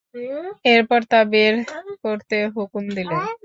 এর পর তা বের করতে হুকুম দিলেন।